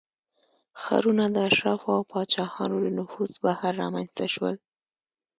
ښارونه د اشرافو او پاچاهانو له نفوذ بهر رامنځته شول